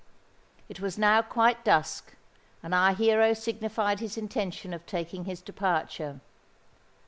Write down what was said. It was now quite dusk; and our hero signified his intention of taking his departure.